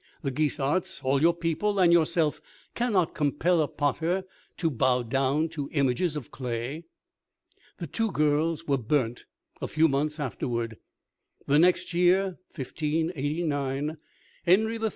The Guisarts, all your people, and yourself, cannot compel a potter to bow down to images of clay." The two girls were burnt a few months afterward. The next year, 1589, Henry III.